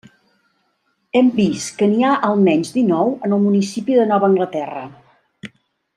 Hem vist que n'hi ha almenys dinou en el municipi de Nova Anglaterra.